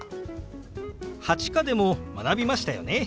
８課でも学びましたよね。